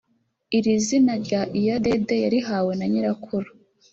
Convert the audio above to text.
Iri zina rya Iyadede yarihawe na nyirakuru